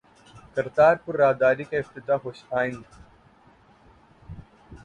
کرتارپور راہداری کا افتتاح خوش آئند